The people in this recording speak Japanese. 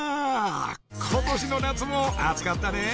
今年の夏も暑かったねぇ